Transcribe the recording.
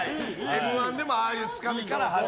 「Ｍ‐１」でもああいうつかみから入って。